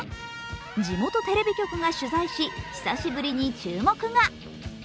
地元テレビが取材し、久しぶりに注目が。